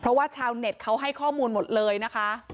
เพราะว่าชาวเน็ตเขาให้ข้อมูลหมดเลยนะคะ